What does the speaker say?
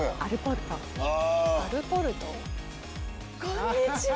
こんにちは。